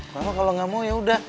mama kalau nggak mau ya udah